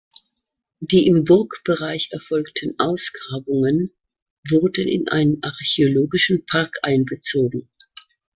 Die im Burgbereich erfolgten Ausgrabungen wurden in einen archäologischen Park einbezogen.